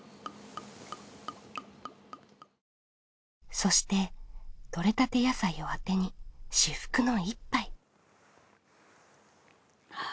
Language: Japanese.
そして採れたて野菜をあてに至福の１杯。